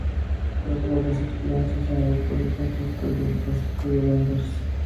Tras varias experiencias en grupos distintos, estudió en el Jazz Studio en Amberes.